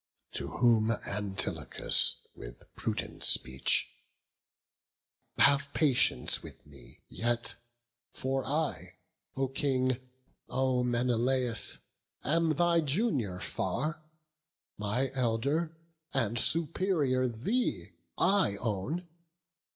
To whom Antilochus with prudent speech: "Have patience with me yet; for I, O King, O Menelaus, am thy junior far; My elder and superior thee I own.